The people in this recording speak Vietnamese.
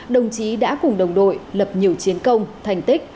đồng chí đã cùng đồng đội lập nhiều chiến công thành tích